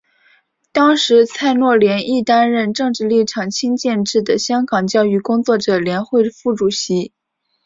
当时蔡若莲亦担任政治立场亲建制的香港教育工作者联会副主席。